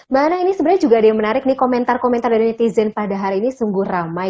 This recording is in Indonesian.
mbak ana ini sebenarnya juga ada yang menarik nih komentar komentar dari netizen pada hari ini sungguh ramai